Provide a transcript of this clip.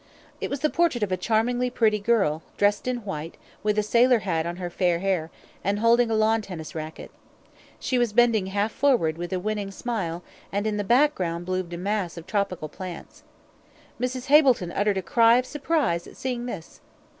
It was the portrait of a charmingly pretty girl, dressed in white, with a sailor hat on her fair hair, and holding a lawn tennis racquet. She was bending half forward, with a winning smile, and in the background bloomed a mass of tropical plants. Mrs. Hableton uttered a cry of surprise at seeing this.